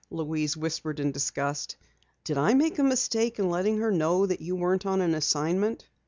Louise whispered in disgust. "Did I make a mistake in letting her know that you weren't on an assignment?"